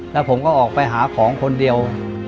แล้วผมก็ออกไปหาของคนเดียว